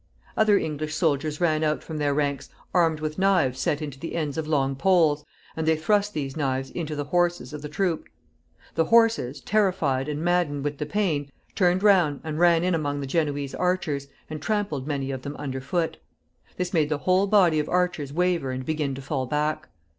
Other English soldiers ran out from their ranks armed with knives set into the ends of long poles, and they thrust these knives into the horses of the troop. The horses, terrified and maddened with the pain, turned round and ran in among the Genoese archers, and trampled many of them under foot. This made the whole body of archers waver and begin to fall back.